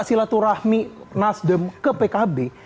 silaturahmi nasdem ke pkb